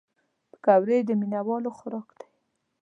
پکورې د مینهوالو خوراک دی